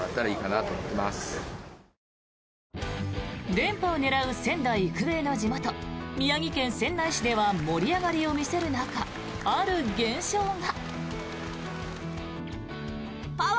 連覇を狙う仙台育英の地元宮城県仙台市では盛り上がりを見せる中ある現象が。